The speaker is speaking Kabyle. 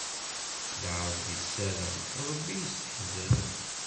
Lɛebd issaram, Ṛebbi isseḥzam.